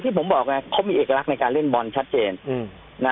ผมบอกไงเขามีเอกลักษณ์ในการเล่นบอลชัดเจน